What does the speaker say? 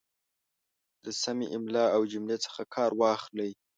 د سمې املا او جملې څخه کار واخلئ